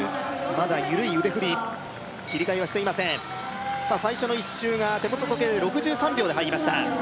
まだ緩い腕振り切り替えはしていませんさあ最初の１周が手元時計で６３秒で入りました